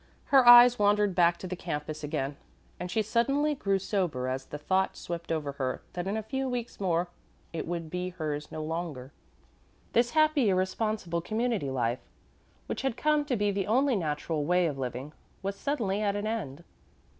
Her eyes wandered back to the campus again, and she suddenly grew sober as the thought swept over her that in a few weeks more it would be hers no longer. This happy, irresponsible community life, which had come to be the only natural way of living, was suddenly at an end.